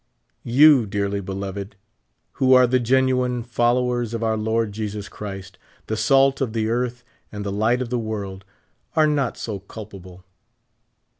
You, dearly beloved, who are the genuine followers of our Lord Jesus Christ — the salt of ther earth, and the light of the world — are not so culpable.